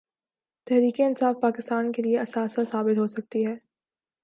تحریک انصاف پاکستان کے لیے اثاثہ ثابت ہو سکتی ہے۔